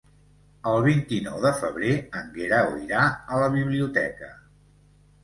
El vint-i-nou de febrer en Guerau irà a la biblioteca.